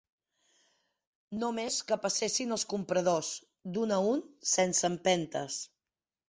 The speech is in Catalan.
No més que passessin els compradors, d'un a un sense empentes